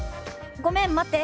「ごめん待って。